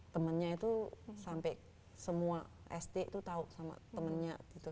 temennya itu sampai semua sd itu tahu sama temennya gitu